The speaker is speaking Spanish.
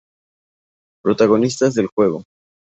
Protagonistas del juego.